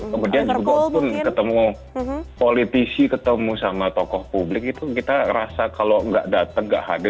kemudian juga pun ketemu politisi ketemu sama tokoh publik itu kita rasa kalau nggak datang nggak hadir